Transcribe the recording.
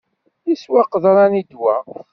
Yeswa qeḍran i ddwa.